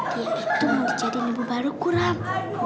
dia itu mau jadi ibu baru kuram